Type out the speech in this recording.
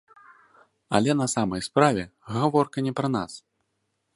Але на самай справе, гаворка не пра нас.